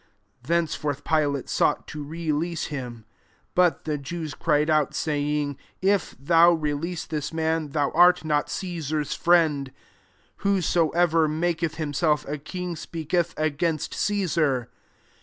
12 Thenceforth, PilatJ sought to release him : but thi Jews cried out, saying, " If thovj release this man, thou art noi Caesar's friend. Whosoevci maketh himself a king, speak eth against Caesar."